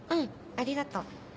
ありがとう。